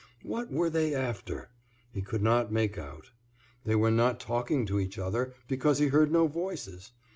What were they after? He could not make out. They were not talking to each other, because he heard no voices.